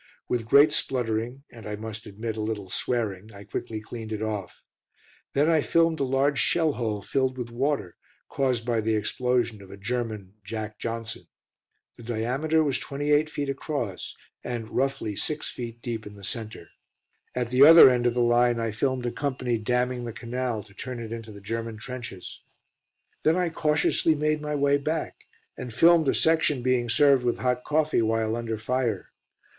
With great spluttering, and I must admit a little swearing, I quickly cleaned it off. Then I filmed a large shell hole filled with water, caused by the explosion of a German "Jack Johnson." The diameter was 28 feet across, and, roughly, 6 feet deep in the centre. At the other end of the line I filmed a company damming the Canal, to turn it into the German trenches. Then I cautiously made my way back, and filmed a section being served with hot coffee while under fire.